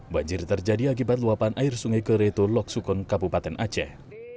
banjir terjadi akibat luapan air sungai kereto loksukun kabupaten aceh